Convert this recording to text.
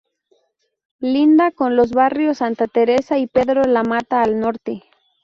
Linda con los barrios Santa Teresa y Pedro Lamata al norte.